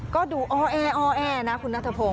ก็ดูอ้อแอนะคุณนัทพงศ์